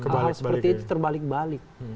hal hal seperti itu terbalik balik